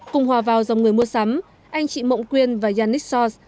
cùng hòa vào dòng người mua sắm anh chị mộng quyên và yannick sors